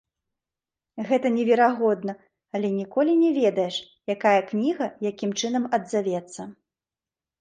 Гэта неверагодна, але ніколі не ведаеш, якая кніга якім чынам адзавецца.